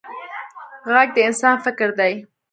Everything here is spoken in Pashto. غږ د انسان فکر دی